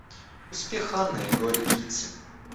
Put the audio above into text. Успех Анны и горе Кити.